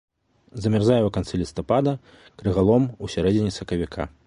Замярзае ў канцы лістапада, крыгалом у сярэдзіне сакавіка.